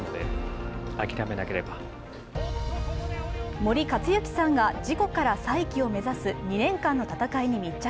森且行さんが事故から再起を目指す２年間の闘いに密着。